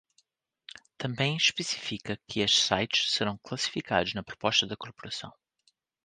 Também especifica que esses sites serão classificados na proposta da corporação.